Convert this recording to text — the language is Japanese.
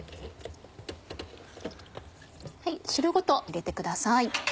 汁ごと入れてください。